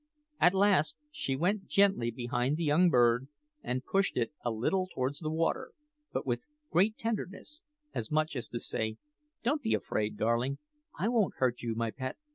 At last she went gently behind the young bird and pushed it a little towards the water, but with great tenderness, as much as to say, "Don't be afraid, darling; I won't hurt you, my pet!"